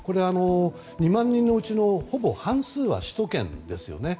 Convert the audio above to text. ２万人のうちのほぼ半数は首都圏ですよね。